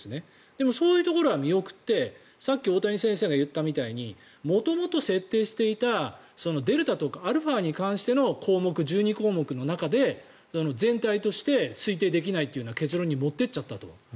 でもそういうところは見送ってさっき大谷先生が言ったみたいに元々設定していたデルタとかアルファに関しての１２項目の中で全体として推定できないという結論に持っていっちゃったと。